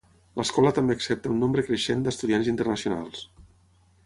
L'escola també accepta un nombre creixent d'estudiants internacionals.